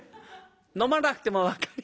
「飲まなくても分かります。